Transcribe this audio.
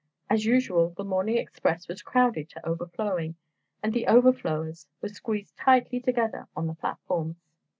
As usual the morning express was crowded to overflowing, and the "overflowers" were squeezed tightly together on the platforms.